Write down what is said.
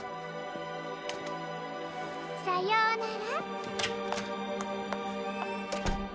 さようなら。